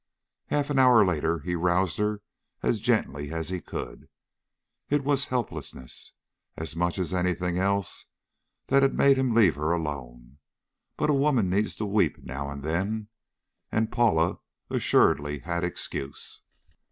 Half an hour later he roused her as gently as he could. It was helplessness, as much as anything else, that had made him leave her alone; but a woman needs to weep now and then. And Paula assuredly had excuse.